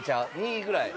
２位ぐらい。